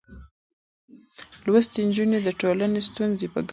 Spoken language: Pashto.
لوستې نجونې د ټولنې ستونزې په ګډه څېړي.